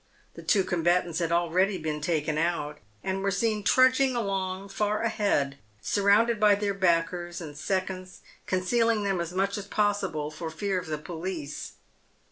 The two combatants had already been taken out, and were seen trudging along far ahead, surrounded by their backers and seconds, concealing them as much as possible, for fear of the police.